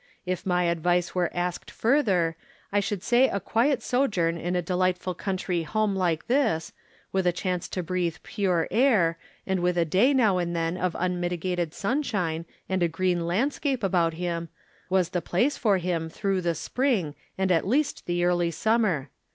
If my advice were asked further, I should say a quiet sojourn in a delightful country home like this, with a chance to breathe pure air, and with a day now and then of unmitigated sun sliine, and a green landscape about him, was the place for him, through the spring, and at least From Different Standpoints. 143 the early summer.